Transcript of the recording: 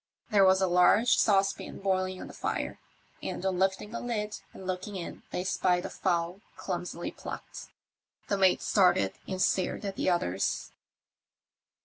There was a large saucepan boiling on the fire, and on lifting the lid and looking in they spied a fowl clumsily plucked. The mate started and stared at the others.